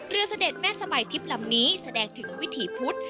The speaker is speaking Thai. เสด็จแม่สมัยทิพย์ลำนี้แสดงถึงวิถีพุทธ